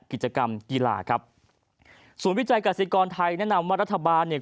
กิจกรรมกีฬาครับศูนย์วิจัยกษิกรไทยแนะนำว่ารัฐบาลเนี่ย